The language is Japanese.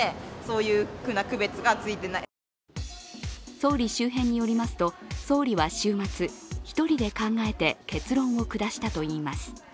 総理周辺によりますと、総理は週末、１人で考えて結論を下したといいます。